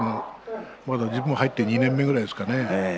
まだ自分が入って２年目ぐらいですからね。